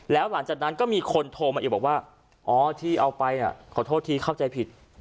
แล้วหลังจากนั้นก็มีคนโทรมาอีกบอกว่าอ๋อที่เอาไปขอโทษทีเข้าใจผิด